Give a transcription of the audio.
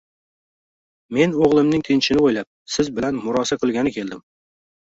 Men o`g`limning tinchini o`ylab siz bilan murosa qilgani keldim